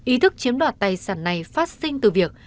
ý thức chiếm đoạt tài sản này phát sinh từ việc